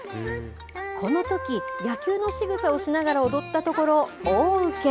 このとき、野球のしぐさをしながら踊ったところ、大ウケ。